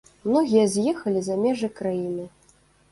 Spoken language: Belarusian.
Многія з'ехалі за межы краіны.